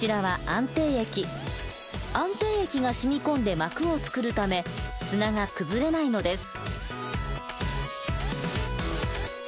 安定液が染み込んで膜を作るため砂が崩れないのです。